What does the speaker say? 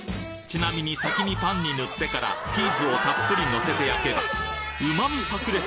ちなみに先にパンに塗ってからチーズをたっぷりのせて焼けば旨味炸裂！